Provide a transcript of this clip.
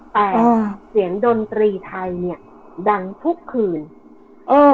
แต่อ่าเสียงดนตรีไทยเนี้ยดังทุกคืนเออ